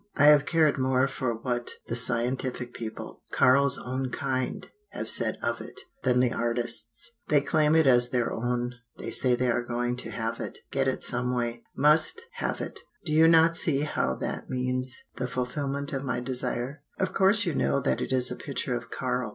I have cared more for what the scientific people, Karl's own kind, have said of it, than the artists. They claim it as their own, say they are going to have it, get it some way, must have it. Do you not see how that means the fulfillment of my desire? "Of course you know that it is a picture of Karl.